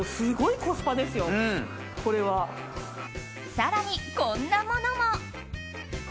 更に、こんなものも。